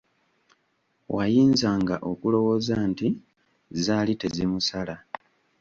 Wayinzanga okulowooza nti zaali tezimusala!